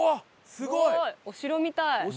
すごい！お城みたい。